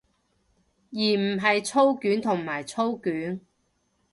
而唔係操卷同埋操卷